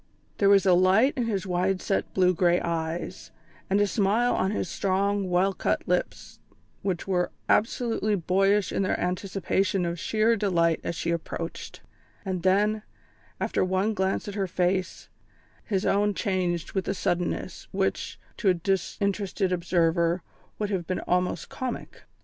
There was a light in his wide set, blue grey eyes, and a smile on his strong, well cut lips which were absolutely boyish in their anticipation of sheer delight as she approached; and then, after one glance at her face, his own changed with a suddenness, which, to a disinterested observer, would have been almost comic.